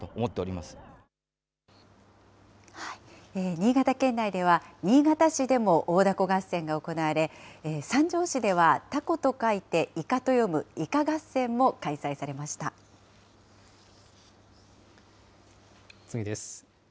新潟県内では、新潟市でも大凧合戦が行われ、三条市では凧と書いていかと読む、次です。